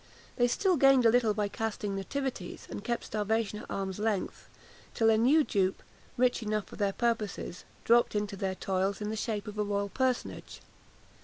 They still gained a little by casting nativities, and kept starvation at arm's length, till a new dupe, rich enough for their purposes, dropped into their toils, in the shape of a royal personage.